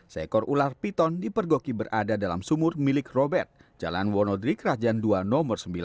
seekor ular piton dipergoki berada dalam sumur milik robert jalan wonodrik rajan dua nomor sembilan